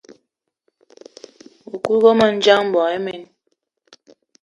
Mëkudgë mendjang, mboigi imen.